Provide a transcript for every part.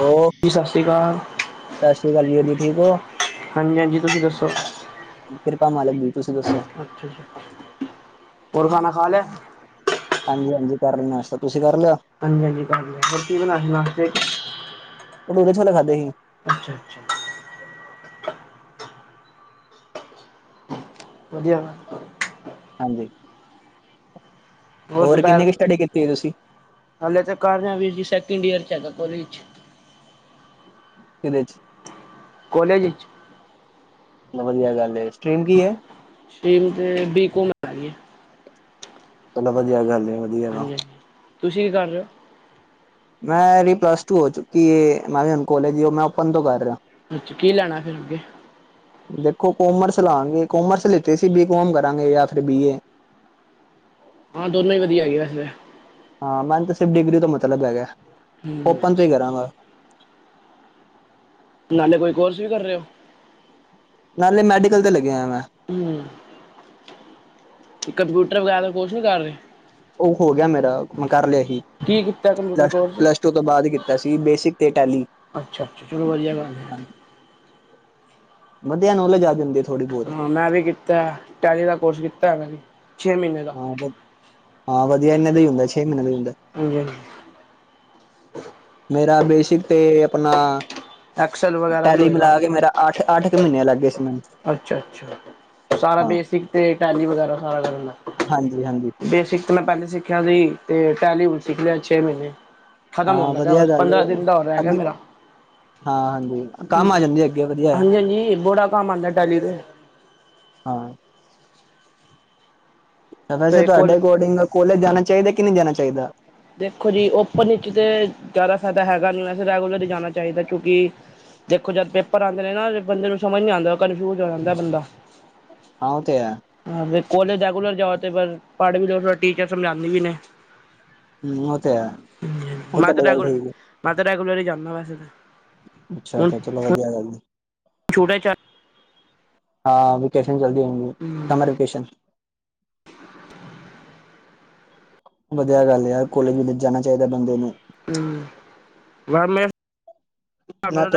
Hello, ਜੀ ਸਤਿ ਸ਼੍ਰੀ ਅਕਾਲ ਸਤਿ ਸ੍ਰੀ ਅਕਾਲ ਵੀਰ ਜੀ, ਠੀਕ ਹੋ? ਹਾਂਜੀ-ਹਾਂਜੀ, ਤੁਸੀਂ ਦੱਸੋ। ਕਿਰਪਾ ਮਾਲਕ ਦੀ ਤੁਸੀਂ ਦੱਸੋ ਅੱਛਾ ਜੀ। ਹੋਰ ਖਾਨਣਾ ਖਾ ਲੈ ਹਾਂਜੀ-ਹਾਂਜੀ, ਕਰ ਰਹੇ ਨਾਸ਼ਤਾ ਤੁਸੀਂ? ਕਰ ਲਿਆ ਹਾਂਜੀ-ਹਾਂਜੀ, ਹੋਰ ਕੀ ਬਣਾ ਰਹਿ ਨਾਸ਼ਤੇ ਚ ਪੂੜੀ ਛੋਲੇ ਖਾਧੇ ਸੀ। ਅੱਛਾ-ਅੱਛਾ। ਵਧੀਆ ਵੱਲ। ਹਾਂਜੀ। ਹੋਰ ਦੁਪਹਿਰ ਕਿੰਨੇ ਕੁ ਸਟੱਡੀ ਕੀਤੀ ਤੁਸੀਂ ਹਾਲੇ ਤ ਕਾਰਹਾ ਵੀ ਵੀਰਜੀ ਸੈਕਿੰਡ ਈਅਰ ਚਗਾਪੁਰ ਵਿੱਚ। [unintelligible] ਕਿਦੇ ਚ ਕੋਲੇਜ ਵਿੱਚ ਵਧੀਆ ਗੱਲ ਹੈ ਸਟ੍ਰਰੀਮ ਕੀ ਹੈ। ਸਟ੍ਰੀਮ ਤੇ ਬੀ ਘਮ ਆ ਗ ਹੈ। ਚਲੋ ਵਧੀਆ ਗੱਲ ਵਧੀਆ ਤ ਹਾਂਜੀ ਹਾਂਜੀ ਤੁਸੀਂ ਕੀ ਕਰ ਰਹੇ ਹੋ। ਮੈਂਰੀ ਪਲੱਸ ਟੂ ਹੋ ਚੁੱਕੀ ਹੈ ਮੈਂ ਵੀ ਹੁਣ ਕੋਲੇਜ ਉਹ ਮੈਂ ਓਪਨ ਤੋਂ ਕਰ ਰਿਹਾ। ਅੱਛਾ ਕੀ ਲੈਣਾ ਫੇਰ ਅੱਗੇ? ਦੇਖੋ ਕੋਮਰਸ ਲਾਾਂਗੇ ਕੋਮਰਸ ਲਿੱਤੇ ਸੀ ਬੀ ਕੋਮ ਕਰਾਂਗੇ ਜਾਂ ਫਿਰ ਬੀਏ। ਹਾਂ ਦੋਨੋ ਹੀ ਵਧੀਆਗੇ ਵੈਸੇ ਹਾਂ ਮੈਨੂੰ ਸਿਰਫ ਡਿਗਰੀ ਤੋਂ ਮਤਲਬ ਹੈਗਾ ਹਮ ਓਪਨ ਤੋਂ ਹੀ ਕਰਾਂਗਾ। ਨਾਲੇ ਕੋਈ ਕੋਰਸ ਵੀ ਕਰ ਰਹੇ ਹੋ। ਚਲਦੇ ਲੱਗੇ ਆ ਮੈਂ ਹਮ ਕੰਪਿਊਟਰ ਵਗੈਰਾ ਕੁਛ ਨੀ ਕਰ ਰਹੇ? ਉਹ ਹੋ ਗਿਆ ਮੇਰਾ ਮੈਂ ਕਰ ਲਿਆ ਸੀ। ਕੀ ਕੀਤਾ ਕੰਪਿਊਟਰ ਕੋਰਸ ਪਲੱਸ ਟੂ ਤੋਂ ਬਾਅਦ ਕੀਤਾ ਸੀ ਬੇਸਿਕ ਤੇ ਅਟੈਲੀ ਅੱਛਾ ਅੱਛਾ ਚਲੋ ਵਧੀਆ ਗੱਲ ਏ। ਵਧੀਆ ਨੌਲੇਜ ਆ ਜਾਂਦੀ। ਥੋੜ੍ਹੀ ਬਹੁਤ ਹਾਂ ਮੈਂ ਵੀ ਕੀਤਾ ਟੈਲੀ ਦਾ ਕੋਰਸ ਕੀਤਾ ਮੈਂ ਵੀ। ਛੇ ਮਹੀਨੇ ਦਾ ਹਾਂ ਹਾਂ ਵਧੀਆ ਇਹਨਾਂ ਦਾ ਹੀ ਹੁੰਦਾ ਛੇ ਮਹੀਨੇ ਦਾ ਹੀ ਹੁੰਦਾ। ਹਾਂਜੀ ਹਾਂਜੀ ਮੇਰਾ ਬੇਸਿਕ ਤੇ ਆਪਣਾ ਐਕਸਲ ਵਗੈਰਾ ਵੀ ਟੈਲੀ ਮਿਲਾ ਕੇ ਮੇਰਾ ਅੱਠ ਅੱਠ ਕੁ ਮਹੀਨੇ ਲੱਗ ਗਏ ਸੀ ਮੈਨੂੰ ਅੱਛਾ-ਅੱਛਾ। ਸਾਰਾ ਹਾਂ ਬੇਸਿਕ ਤੇ ਟੈਲੀ ਵਗੈਰਾ ਸਾਰਾ ਕਰਨ ਦਾ ਹਾਂਜੀ ਹਾਂਜੀ। ਤੇ ਮੈਂ ਪਹਿਲੇ ਸਿੱਖਿਆ ਸੀ ਤੇ ਟੈਲੀ ਸਿੱਖ ਲਿਆ ਛੇ ਮਹੀਨੇ ਖ਼ਤਮ ਹੋਣ ਹਾਂ ਲੱਗਿਆ ਵਧੀਆ ਬਸ ਗੱਲ ਏ ਪੰਦਰਾਂ ਦਿਨ ਦਾ ਹੋਰ ਹੈਗਾ ਅੱਗੇ ਮੇਰਾ। ਹਾਂ ਹਾਂਜੀ ਕੰਮ ਆ ਜਾਂਦੀ ਅੱਗੇ ਵਧੀਆ ਆ। ਹਾਂਜੀ-ਹਾਂਜੀ, ਬੋੜਾ ਕੰਮ ਆਦਾ ਡਲੀ ਦੇ ਹਾਂ ਵੈਸੇ ਤੇ ਕੋਲ ਤੁਹਾਡੇ ਅਕੋਰਡਿੰਗ ਕੋਲੇਜ ਜਾਣਾ ਚਾਹੀਦਾ ਕਿ ਨਹੀਂ ਜਾਣਾ ਚਾਹੀਦਾ। ਦੇਖੋ ਜੀ ਓਪਨ ਵਿੱਚ ਤਾਂ ਜ਼ਿਆਦਾ ਫਾਇਦਾ ਹੈਗਾ ਨੀ ਵੈਸੇ ਰੈਗੂਲਰਲੀ ਜਾਣਾ ਚਾਹੀਦਾ ਕਿਉਂਕਿ ਦੇਖੋ ਜਦ ਪੇਪਰ ਆਉਂਦੇ ਨੇ ਨਾ ਬੰਦੇ ਨੂੰ ਸਮਝ ਨੀ ਆਉਂਦਾ, ਕਨਫਿਊਜ ਹੋ ਜਾਂਦਾ ਬੰਦਾ। ਹਾਂ ਉਹ ਤੇ ਹੈ। ਕੋਲੇਜ ਰੈਗੂਲਰ ਜਾਓ ਤੇ ਬ ਪੜ੍ਹ ਵੀ ਲਓ ਟੀਚਰ ਸਮਝਾਦੀ ਵੀ ਨੇ। ਹਮ ਉਹ ਤੇ ਹੈ ਉਹ ਤਾਂ ਤਾਂਹਾਡੀ ਗੱਲ ਰੈਗੂਲਰ ਠੀਕ ਮੈਂ ਰੈਗੂਲਰ ਹੀ ਜਾਂਦਾ ਵੈਸੇ ਤੇ। ਅੱਛਾ-ਅੱਛਾ, ਚਲੋ ਵਧੀਆ ਗੱਲਦੀ। ਛੋਟਾ ਚਾਰ ਹਾਂ ਵੇਕੇਸ਼ਨ ਜਲਦੀ ਹਉਗੀ ਸਮਰ ਵਕੇਸ਼ਨ। ਵਧੀਆ ਗੱਲ ਹੈ ਯਾਰ ਕੋਲੇਜ ਕੁਲੇਜ ਜਾਣਾ ਚਾਹੀਦਾ ਬੰਦੇ ਨੂੰ ਹਮ ਬਸ ਮੈਂ [unintelligible] ਮੈਂ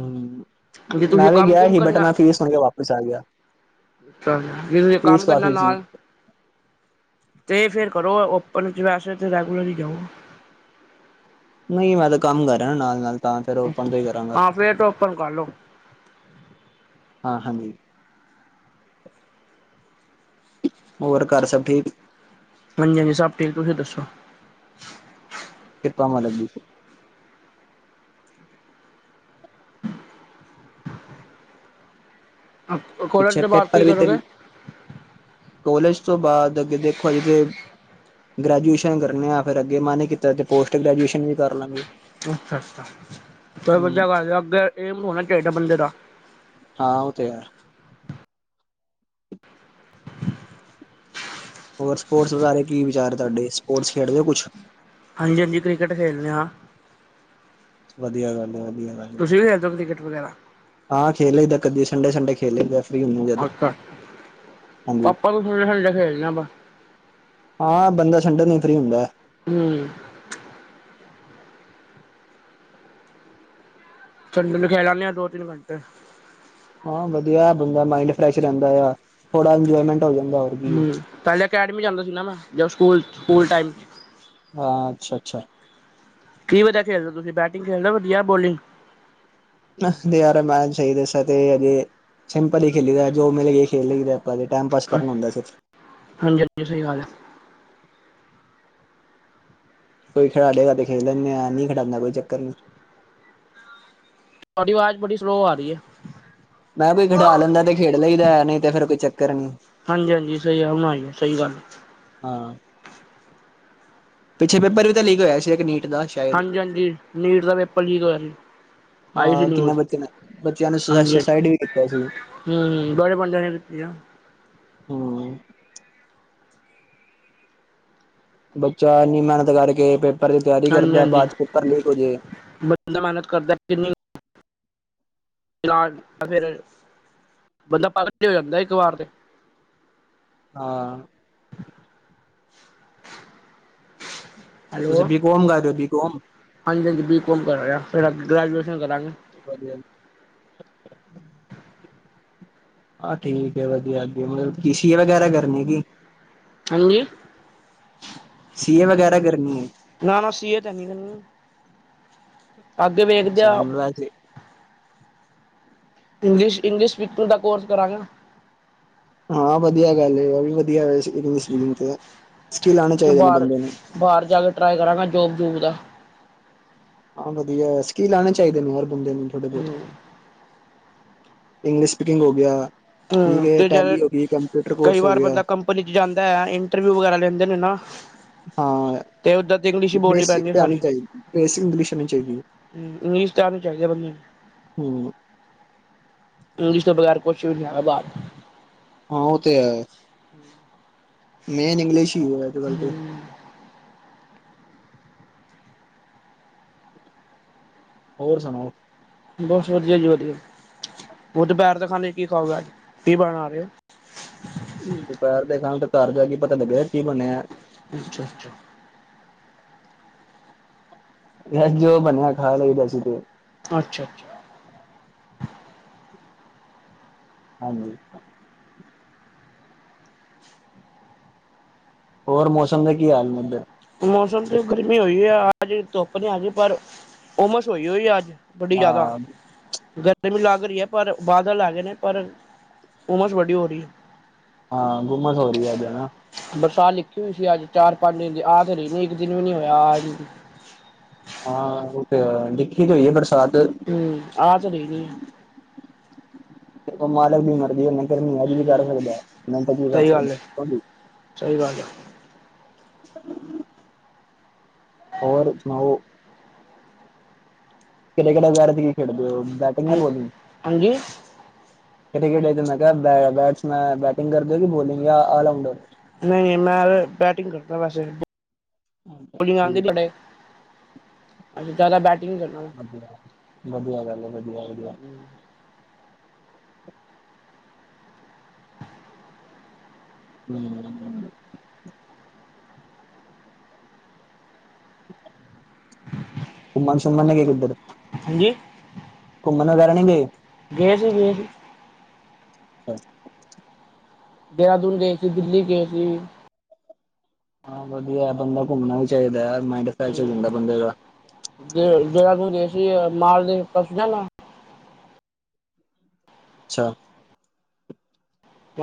ਹਮ ਮੈਂ ਵੀ ਗਿਆ ਸੀ ਬਟ ਕਰਨਾ ਮੈਂ ਫੀਸ ਸੁਣ ਕੇ ਵਾਪਿਸ ਆ ਗਿਆ। ਜੇ ਤੇ ਫੀਸ ਕੰਮ ਕਰਨਾ ਕਾਫ਼ੀ ਸੀ। ਨਾਲ ਤੇ ਫਿਰ ਕਰੋ ਓਪਨ ਚ ਵੈਸੇ ਤੇ ਰੈਗੂਲਰ ਹੀ ਜਾਉ। ਨਹੀਂ ਮੈਂ ਤਾਂ ਕੰਮ ਕਰ ਰਿਹਾ ਨਾ ਨਾਲ ਨਾਲ। ਤਾਂ, ਫੇਰ ਓਪਨ ਤੋਂ ਹੀ ਕਰਾਂਗਾ, ਹਾਂ ਫੇਰ ਤਾਂ ਓਪਨ ਕਰ ਲਓ ਹਾਂ, ਹਾਂਜੀ। ਹੋਰ ਘਰ ਸਭ ਠੀਕ ਹਾਂਜੀ-ਹਾਂਜੀ, ਸਭ ਠੀਕ ਤੁਸੀਂ ਦੱਸੋ। ਕੰਮ ਵਾਲੇ ਬਿਲਕੁਲ ਕੋਲਜ ਪਿੱਛੇ ਦੇ ਬਾਅਦ ਕੀ ਪੇਪਰ ਵੀ ਤੇ ਕਰੋਗੇ ਕੋਲੇਜ ਤੋਂ ਬਾਅਦ ਅੱਗੇ ਦੇਖੋ ਅਜੇ ਤੇ ਗ੍ਰੈਜੂਏਸ਼ਨ ਕਰਨੇ ਆ, ਫਿਰ ਅੱਗੇ ਮਨ ਕੀਤਾ ਤੇ ਪੋਸਟ ਗ੍ਰੈਜੂਏਸ਼ਨ ਵੀ ਕਰ ਲਾਂਗੇ। ਅੱਛਾ-ਅੱਛਾ, ਫਿਰ ਹੂੰ ਬੰਦੇ ਦਾ ਅੱਗੇ ਏਮ ਵੀ ਹੋਣਾ ਚਾਹੀਦਾ ਬੰਦੇ ਦਾ। ਹਾਂ, ਉਹ ਤੇ ਹੈ। ਹੋਰ ਸਪੋਰਟਸ ਬਾਰੇ ਕੀ ਵਿਚਾਰ ਤੁਹਾਡੇ, ਸਪੋਰਟਸ ਖੇਡਦੇ ਹੋ ਕੁਛ ਹਾਂਜੀ-ਹਾਂਜੀ, ਕ੍ਰਿਕਟ ਖੇਡਲਣੇ ਹਾਂ। ਵਧੀਆ ਗੱਲ, ਵਧੀਆ ਗੱਲ ਤੁਸੀਂ ਵੀ ਖੇਲਦੇ ਹੋ ਕ੍ਰਿਕਟ ਵਗੈਰਾ ਹਾਂ ਖੇਲ ਲਈ ਦਾ ਕਦੀ ਸੰਡੇ-ਸੰਡੇ ਖੇਲੇ ਲਈ ਦਾ। ਅੱਛਾ, ਹਾਂਜੀ ਪਾਪਾ ਨਾਲ ਖੇਡ ਖੇਲਦੇ ਆਪਾਂ। ਹਾਂ, ਬੰਦਾ ਸੰਡੇ ਨੂੰ ਫਰੀ ਹੁੰਦਾ। ਹੂੰ। ਸੰਡੇ ਨੂੰ ਖੇਲ ਆਣੇ ਦੋ ਤਿੰਨ ਘੰਟੇ। ਹਾਂ, ਵਧੀਆ ਬੰਦਾ ਮਾਈੰਡ ਫਰੈਸ਼ ਰਹਿੰਦਾ ਆ, ਥੋੜਾ ਇੰਜੋਏਮੈਂਟ ਹੋ ਜਾਂਦਾ ਹੋਰ ਕੀ ਹੂੰ, ਪਹਿਲੇ ਅਕੈਡਮੀ ਜਾਂਦਾ ਸੀ ਨਾ ਮੈਂ, ਜਦੋਂ ਸਕੂਲ ਸਕੂਲ ਟਾਈਮ। ਹਾਂ, ਅੱਛਾ-ਅੱਛਾ। ਕੀ, ਵਧੀਆ ਖੇਡਦੇ ਤੁਸੀਂ, ਬੈਟਿੰਗ ਖੇਡਦੇ ਵਧੀਆ, ਬੋਲਿੰਗ? ਤੇ, ਯਾਰ ਮੈਂ, ਸਹੀ ਦੱਸਾਂ ਤੇ ਅਜੇ, ਸਿੰਪਲ ਹੀ ਖੇਲੀ ਦਾ ਜੋ ਮਿਲ ਕੇ ਖੇਲ ਲਈ ਦਾ। ਨਾਲੇ ਟਾਈਮ ਪਾਸ ਕਰਨਾ ਹੁੰਦਾ ਅਸੀਂ, ਉਥੇ। ਹਾਂਜੀ ਹਾਂਜੀ ਸਹੀ ਗੱਲ ਹੈ ਕੋਈ ਖਿਡਾ, ਲੇਗਾ ਤੇ ਖੇਲ ਲੈਣੇ ਆ, ਨਹੀਂ ਖਿਡਾਣਦਾ, ਕੋਈ ਚੱਕਰ ਨਹੀਂ। ਤੁਹਾਡੀ, ਆਵਾਜ਼ ਬੜੀ ਸਲੋਅ ਆ ਰਹੀ ਆ। ਮੈਂ, ਕਿਹਾ ਕੋਈ ਖਿਡਾ ਲੈਂਦਾ ਤੇ, ਖੇਡ ਲਈਦਾ ਨਹੀਂ ਤੇ, ਫੇਰ ਕੋਈ ਚੱਕਰ ਨੀ। ਹਾਂ, ਸਹੀ ਗੱਲ ਹੈ। ਹਾਂ ਪਿੱਛੇ ਪੇਪਰ ਵੀ ਤਾਂ ਲੀਕ ਹੋਇਆ ਸੀ। ਇੱਕ ਨੀਟ ਦਾ ਸ਼ਾਇਦ ਹਾਂਜੀ- ਹਾਂਜੀ, ਨੀਟ ਦਾ ਪੇਪਰ ਲੀਕ ਹੋਇਆ ਸੀ। ਆਈ ਸੀ ਹਾਂ, ਕਿੰਨਾ ਨਿਊਜ਼ ਬੱਚਿਆਂ ਨੇ, ਬੱਚਿਆਂ ਨੇ ਸੁਸਾਈਡ ਵੀ ਕੀਤਾ ਸੀ। ਹੂੰ- ਹੂੰ, ਬੜੇ ਬੰਦਿਆਂ ਨੇ ਦਿੱਤੀਆਂ। ਹੂੰ। ਬੱਚਾ, ਇੰਨੀ ਮਿਹਨਤ ਕਰਕੇ ਪੇਪਰ ਦੀ ਤਿਆਰੀ ਹਾਂਜੀ ਕਰਦਾ, ਹਾਂਜੀ ਬਾਅਦ ਚ ਪੇਪਰ ਲੀਕ ਹੋ ਜੇ। ਬੰਦਾ ਮਿਹਨਤ ਕਰਦਾ ਕਿੰਨੀ ਫਿਰ [unintelligible] ਬੰਦਾ ਪਾਗ਼ਲ ਦੇ, ਹੋ ਜਾਂਦਾ ਇੱਕ ਵਾਰ ਤੇ। ਹਾਂ। [unintelligible] ਸਰ ਹੈਲੋ, ਤੁਸੀਂ ਬੀ ਕੌਮ ਕਰ ਰਹੇ ਹੋ ਬੀ ਕੌਮ ਹਾਂਜੀ- ਹਾਂਜੀ, ਬੀ ਕੋਮ ਕਰ ਰਿਹਾ, ਫੇਰ ਅੱਗੇ ਗਰੈਜੂਏਸ਼ਨ ਕਰਾਂਗੇ। ਆਹ ਠੀਕ ਐ, ਵਧੀਆ। ਅੱਗੇ ਬੀ ਸੀ ਏ ਵਗੈਰਾ ਕਰਨੀ ਕੀ? [unintelligible] ਹਾਂਜੀ। ਸੀ ਏ, ਵਗੈਰਾ ਕਰਨੀ ਐ। ਕਲੀਅਰ ਕਰਨੀ ਪੈਣੀ ਏ। ਅੱਗੇ, ਵੇਖਦੇ ਆ। ਅੱਛਾ ਵੈਸੇ ਇੰਗਲਿਸ਼, ਇੰਗਲਿਸ਼ ਪੇਪਰ ਦਾ ਕੋਰਸ ਕਰਾਂਗਾ। ਹਾਂ, ਵਧੀਆ ਗੱਲ ਐ ਵਧੀਆ [inaudible] ਆਉਣੇ ਤੇੇ ਚਾਹੀਦੇ ਨੇ ਬਾਹਰ, ਬੰਦੇ ਨੂੰ ਬਾਹਰ ਜਾ ਕੇ, ਟਰਾਈ ਕਰਾਂਗਾ ਜੋਬ- ਜੂਬ ਦਾ। ਹਾ, ਵਧੀਆ ਕੀ ਲਾਣੇ ਚਾਹੀਦੇ ਨੇ, ਹਰ ਬੰਦੇ ਨੂੰ ਥੋੜੇ ਹੂੰ ਬਹੁਤ। ਇੰਗਲਿਸ਼ ਸਪੀਕਿੰਗ ਹੋ ਗਿਆ। ਠੀਕ ਹਮ ਹੈ ਤੇ ਜਦ ਟੈਲੀ ਹੋ ਗਈ ਕੰਪਿਊਟਰ ਕਈ ਕੋਰਸ ਹੋ ਵਾਰ ਗਿਆ ਬੰਦਾ ਕੰਪਨੀ ਚ ਜਾਂਦਾ ਹੈ ਇੰਟਰਵਿਊ ਵਗੈਰਾ ਲੈਂਦੇ ਨੇ ਨਾ। ਹਾਂ ਤੇ ਉੱਦਾਂ ਤੇ ਇੰਗਲਿਸ਼ ਹੀ ਬੋਲਣੀ ਬੇਸਿਕ ਪੈਂਦੀ ਹੈ ਤੇ ਆਉਣੀ ਚਾਹੀਦੀ ਬੇਸਿਕ ਇੰਗਲਿਸ਼ ਆਣੀ ਚਾਹੀਦੀ ਏ। ਹੂੰ, ਇੰਗਲਸ਼ਟਾਰ ਨੂੰ, ਚਾਹੀਦਾ ਬੰਦੇ ਨੂੰ। ਹੂੰ। ਇੰਗਲਿਸ਼ ਦੇ ਬਗ਼ੈਰ, ਕੁਛ ਵੀ ਨਹੀਂ ਆ। ਬਾ ਹਾਂ, ਉਹ ਤੇ ਹੈ। ਮੇਨ ਇੰਗਲਿਸ਼ ਹੀ ਹੈ। ਅੱਜਕੱਲ ਤੇ। ਹੋਰ ਸੁਣਾਓ? ਬਸ, ਵਧੀਆ ਜੀ ਵਧੀਆ। ਉਹ ਦੋਪਹਿਰ ਦੇ ਖਾਣੇ ਚ ਕੀ ਖਾਊਗਾ ਅੱਜ ਕੀ ਬਣਾ ਰਹੇ ਹੋ? ਦੁਪਹਿਰ ਦੇ ਖਗ ਤੇ, ਘਰ ਜਾ ਕੇ ਪਤਾ, ਲੱਗਿਆ ਕੀ ਬਣਿਆ। ਅੱਛਾ, ਅੱਛਾ। ਬ ਜੋ ਬਣਿਆ, ਖਾ ਲਈਦਾ ਅਸੀ ਤੇ। ਅੱਛਾ, ਅੱਛਾ। ਹਾਂਜੀ। ਹੋਰ, ਮੌਸਮ ਦੇ ਕੀ ਹਾਲ ਨੇ ਇੱਧਰ? ਮੌਸਮ ਤੇ ਗਰਮੀ ਹੋਈ ਆ। ਅੱਜ ਧੁੱਪ ਨੀ ਆਜ, ਪਰ ਉਮਸ ਹੋਈ- ਹੋਈ ਅੱਜ। ਵਡੀ ਜ਼ਿਆਦਾ ਹਾਂ ਗਰ- ਗਰਮੀ ਲੱਗ ਰਹੀ ਹੈ। ਪਰ ਬਾਦਲ ਆ ਗਏ ਨੇ, ਪਰ ਉਮਸ ਵੱਡੀ ਹੋ ਰਹੀ ਹੈ। ਹਾਂ, ਗੁੰਮਸ ਹੋ ਰਹੀ ਹੈ। ਅਜ ਹਨਾ। ਬਰਸਾਤ ਲਿਖੀ ਹੋਈ ਸੀ। ਅੱਜ ਚਾਰ, ਪੰਜ ਦਿਨ ਦੀ ਆ ਤੇ ਰਹੀ ਨੀ ਇੱਕ ਦਿਨ ਵੀ ਨੀ ਹੋਇਆ ਆ। ਹਾਂ ਉਹ ਤੇ ਹੈ ਦੇਖੀ ਜੋ ਹੋਈ ਬਰਸਾਤ ਹਮ ਆ ਤੇ ਰਹੀ ਨਹੀਂ। ਉਹ ਮਾਲਕ ਵੀ ਮਰਦੀ ਉਹਨਾਂ ਗਰਮੀਆਂ ਵਿਚ ਵੀ ਕਰ ਸਕਦਾ ਨੰਤ [inaudible] ਜੀ ਵੀ ਕਰ ਸਹੀ ਗੱਲ ਹੈ ਸਕਦਾ। ਸਹੀ ਗੱਲ ਹੋਰ ਸੁਣਾਓ? [inaudible] ਹਾਂ ਬੋਲਿੰਗ ਹਾਂ ਜੀ ਕਿਹੜੇ ਕਿਹੜੇ ਦਿਨ ਮੈਚ ਹ ਬੈਟਸਮੈਨ ਬੈਟਿੰਗ ਕਰਦੇ ਕਿ ਬਲਿੰਗ ਜਾਂ ਆਲਰਾਊਂਡਰ ਨਹੀਂ ਨਹੀਂ ਮੈਂ ਯ ਬੈਟਿੰਗ ਕਰਦਾ ਵੈਸੇ। ਠੀਕ ਜਿਆਦਾ ਬੈਠ ਵਧੀਆ ਵਧੀਆ ਗੱਲ ਹੈ ਵਧੀਆ ਵਧੀਆ ਹਮ ਸਮਾਨ [inaudible] ਹਾਂਜੀ ਮਨੀਕਰਨ ਨਹੀਂ ਗਏ? ਗਏ ਸੀ ਗਏ ਸੀ। ਅਛ ਦੇਹਰਾਦੂਨ ਗਏ ਸੀ ਦਿੱਲੀ ਗਏ ਸੀ। ਹਾਂ ਵਧੀਆ ਬੰਦਾ ਘੁੰਮਣਾ ਵੀ ਚਾਹੀਦਾ ਮਾਇੰਡ ਫਰੈਸ਼ ਹੁੰਦਾ ਬੰਦੇ ਦਾ। ਜ ਜਿਹੜਾ ਤੂੰ ਦੇਸੀ ਮਾਰ ਦੇ ਪਰਸੂ ਜਾਣਾ। ਅੱਛਾ ਚ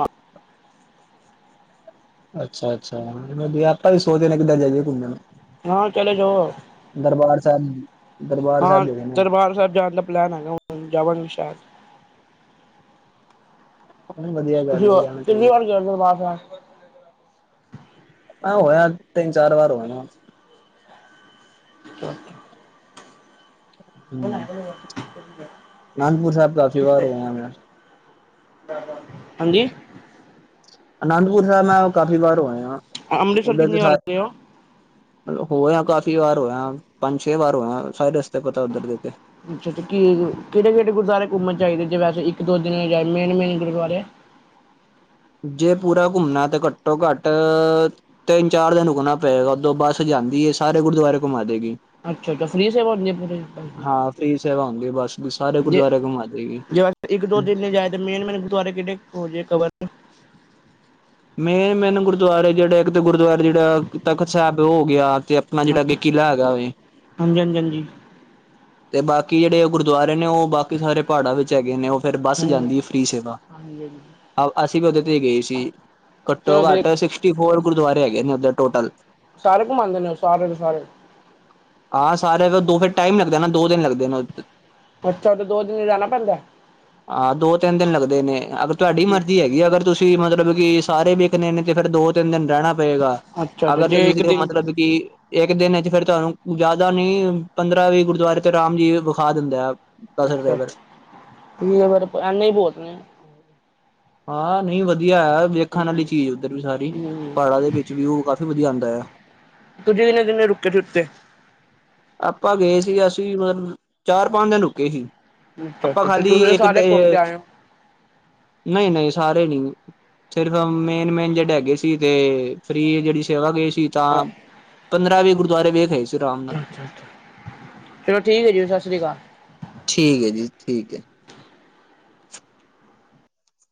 ਅੱਛਾ ਅੱਛਾ ਵਧੀਆ ਆਪਾਂ ਵੀ ਸੋਚਦੇ ਨੇ ਕਿੱਦਾਂ ਜਾਈਏ ਘੁੰਮਣ। ਹਾਂ ਚਲੇ ਜਾਓ ਦਰਬਾਰ ਸਾਹਿਬ ਦਰਬਾਰ ਹਾਂ ਸਾਹਿਬ ਜਗ੍ਹਾ ਨੇ ਦਰਬਾਰ ਸਾਹਿਬ ਜਾਣ ਦਾ ਪਲੈਨ ਹੈਗਾ ਜਾਵਾਂਗੇ ਸ਼ਾਇਦ। ਵਧੀਆ ਤੁਸੀਂ ਗੱਲ ਹੈ ਜਾਣਾ ਕਿੰਨੀ ਚਾਹੀਦਾ ਵਾਰ ਗਏ ਦਰਬਾਰ ਸਾਹਿਬ? ਆ ਹੋ ਆਇਆ ਤਿੰਨ ਚਾਰ ਵਾਰ ਹੋ ਆਏ ਆ। [unintelligible] ਹਮ ਆਨੰਦਪੁਰ ਸਾਹਿਬ ਕਾਫੀ ਵਾਰ ਹੋਏ ਮੇੈਂ ਹਾਂਜੀ। ਅਨੰਦਪੁਰ ਸਾਹਿਬ ਮੈਂ ਕਾਫੀ ਵਾਰ ਹੋ ਆਇਆ ਅੰਮ੍ਰਿਤਸਰ ਉੱਧਰ ਤੇ ਕਿੰਨੀ ਵਾਰ ਗਏ ਹੋ ਸਾਰੇ ਹੋ ਆਇਆ ਕਾਫੀ ਵਾਰ ਹੋ ਆਇਆ ਪੰਜ ਛੇ ਵਾਰ ਹੋ ਆਇਆ ਸਾਰੇ। ਪਤਾ ਉੱਧਰ ਦੇ ਤੇ ਅੱਛਾ ਅੱਛ ਕੀ ਕਿਹੜੇ ਕਿਹੜੇ ਗੁਰਦੁਆਰੇ ਘੁੰਮਣ ਚਾਹੀਦੇ ਜੇ ਵੈਸੇ ਇੱਕ ਇੱਕ ਦੋ ਦਿਨ ਜਾ ਮੇਨ ਮੇਨ ਗੁਰਦੁਆਰੇ ਜੇ ਪੂਰਾ ਘੁੰਮਣਾ ਤੇ ਘੱਟੋ ਘੱਟ ਤਿੰਨ ਚਾਰ ਦਿਨ ਰੁਕਣਾ ਪਏਗਾ ਉਦੋ ਬੱਸ ਜਾਂਦੀ ਏ ਸਾਰੇ ਗੁਰਦੁਆਰੇ ਘੁੰਮਾ ਦੇਏਗੀ। ਅੱਛਾ ਅੱਛਾ ਫ੍ਰੀ ਸੇਵਾ ਦੀ ਪੂਰੇ? ਬਸ ਵੀ ਸਾਰੇ ਜੇ ਗੁਰਦੁਆ ਘੁੰਮਾ ਦੇਗੀ। ਜੇ ਇੱਕ ਦੋ ਦਿਨ ਲਈ ਜਾਏ ਤਾਂ ਮੇਨ ਮੈਨ ਗੁਰਦੁਆਰੇ ਕਿਹੜੇ ਹੋ ਜਾਏ ਕਵਰ? ਮੇਨ ਮੇਨ ਗੁਰਦੁਆਰੇ ਜਿਹੜਾ ਇੱਕ ਤਾਂ ਗੁਰਦੁਆਰੇ ਜਿਹੜਾ ਤਖ਼ਤ ਸਾਹਿਬ ਉਹ ਹੋ ਗਿਆ। ਤੇ ਆਪਣਾ ਜਿਹੜਾ ਕਿ ਕਿਲ੍ਹਾ ਹੈਗਾ ਵੇ। ਹਾਂਜੀ ਹਾਂਜੀ ਹਾਂਜੀ। ਤੇ ਬਾਕੀ ਜਿਹੜੇ ਗੁਰਦੁਆਰੇ ਨੇ ਉਹ ਬਾਕੀ ਸਾਰੇ ਪਹਾੜਾਂ ਵਿੱਚ ਹੈਗੇ ਨੇ ਉਹ ਫੇਰ ਬੱਸ ਹੂੰ ਜਾਂਦੀ ਹੈ ਫ੍ਰੀ ਸੇਵਾ। ਹਾਂਜੀ ਹਾਂਜੀ ੇ ਵੀ ਗਏ ਸੀ ਘੱਟੋ ਚਲੋ ਘੱਟ ਦੇਖ ਸਿਕਸਟੀ ਫੋਰ ਗੁਰਦੁਆਰੇ ਹੈਗੇ ਨੇ ਉੱਧਰ ਟੋਟਲ ਸਾਰੇ ਘੁਮਾਉਂਦੇ ਨੇ ਉਹ ਸਾਰੇ ਦੇ ਸਾਰੇ? ਹਾਂ ਸਾਰੇ ਦੋ ਫਿਰ ਟਾਈਮ ਲੱਗਦੇ ਨਾ ਦੋ ਦਿਨ ਲੱਗਦੇ ਨੇ। ਅੱਛਾ ਤੇ ਦੋ ਦਿਨ ਜਾਣਾ ਪੈਂਦਾ। ਹਾਂ ਦੋ ਤਿੰਨ ਦਿਨ ਲੱਗਦੇ ਨੇ ਅਗਰ ਤੁਹਾਡੀ ਮਰਜ਼ੀ ਹੈਗੀ ਅਗਰ ਤੁਸੀਂ ਮਤਲਬ ਕਿ ਸਾਰੇ ਵੇਖਣੇ ਨੇ ਤੇ ਫੇਰ ਦੋ ਤਿੰਨ ਦਿਨ ਰਹਿਣਾ ਪਏਗਾ ਅੱਛਾ ਅੱਛਾ ਅਗਰ ਜੇ ਇੱਕ ਤੁਸੀਂ ਦਿਨ ਮਤਲਬ ਕਿ ਇੱਕ ਦਿਨ ਵਿੱਚ ਫੇਰ ਤੁਹਾਨੂੰ ਜ਼ਿਆਦਾ ਨੀ ਪੰਦਰਾਂ ਵੀਹ ਗੁਰਦੁਆਰੇ ਤੇ ਰਾਮ ਜੀ ਵਿਖਾ ਦਿੰਦਾ ਆ। ਠੀ ਠੀਕ ਹੈ ਫਿਰ ਐਨਾ ਹੀ ਬੋਤ ਨੇ- ਹਾਂ ਨਹੀਂ ਵਧੀਆ ਵੇਖਣ ਵਾਲੀ ਚੀਜ਼ ਉੱਧਰ ਵੀ ਸਾਰੀ ਪਾੜਾਂ ਦੇ ਵਿੱਚ ਵੀਊ ਉਥੇ ਵਧੀਆ ਆਂਦਾ ਏ ਆ। ਤੁਜਂ ਕਿੰਨੇ ਕਿਨੇ ਰੁਕੇ ਸੁਤੇ ਆਪਾਂ ਗਏ ਸੀ ਅਸੀਂ ਮਤਲਬ ਚਾਰ ਪੰਜ ਦਿਨ ਰੁਕੇ ਸੀ। ਅੱਛਾ ਆਪਾਂ ਅੱਛਾ ਤੇ ਖਾਲੀ ਤੁਸੀਂ ਇੱਕ ਸਾਰੇ ਘੁੰਮ ਕੇ ਆਏ ਹੋ ਨਹੀਂ ਸਾਰੇ ਨੀ ਸਿਰਫ ਮੇਨ ਮ-ਮੇਨ ਜਿਹੜੇ ਹੈਗੇ ਸੀ ਤੇ ਫ੍ਰੀ ਜਿਹੜੀ ਸੇਵਾ, ਗਏ ਸੀ- ਤਾਂ ਪੰਦਰਾਂ ਵੀ ਗੁਰਦੁਆਰੇ ਵੇਖਏ ਸੀ ਰਾਮ ਨਾਲ ਅੱਛਾ ਅੱਛਾ ਚਲੋ ਠੀਕ ਹੈ ਜੀ ਸਤਿ ਸ੍ਰੀ ਅਕਾਲ। ਠੀਕ ਹੈ ਜੀ ਠੀਕ ਹੈ।